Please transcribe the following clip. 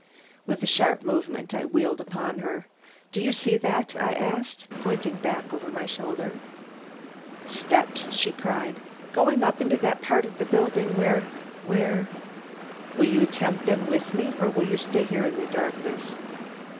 With a sharp movement I wheeled upon her. "Do you see that?" I asked, pointing back over my shoulder. "Steps," she cried, "going up into that part of the building where where " "Will you attempt them with me? Or will you stay here, in the darkness?"